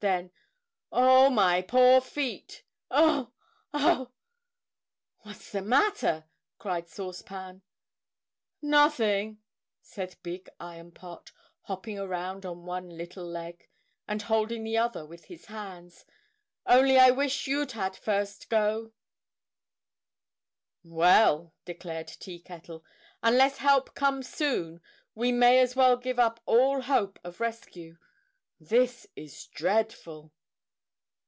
Then, "Oh, my poor feet! Oh! Oh!" "What's the matter?" asked Sauce Pan. "Nothing," said Big Iron Pot, hopping around on one little leg, and holding the other with his hands. "Only I wish you'd had 'First go!'" [Illustration: "I wish you'd had 'First go!'"] "Well," declared Tea Kettle, "unless help comes soon, we may as well give up all hope of rescue. This is dreadful!"